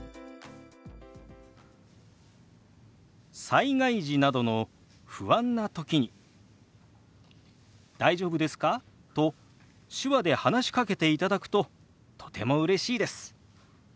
災害時などの不安な時に「大丈夫ですか？」と手話で話しかけていただくととてもうれしいです。